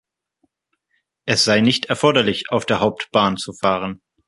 Es sei nicht erforderlich, auf der Hauptbahn zu fahren.